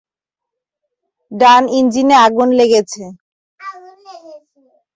ডান ইঞ্জিনে আগুন লেগেছে।